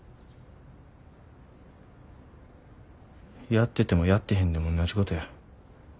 やっててもやってへんでもおんなじことや。